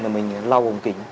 là mình lau bồng kính